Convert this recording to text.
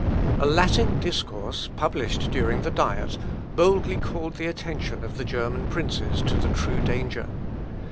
A Latin discourse, published during the Diet, boldly called the attention of the German princes to the true danger.